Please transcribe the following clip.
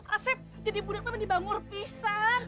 asep jadi budaknya benih bangur pisar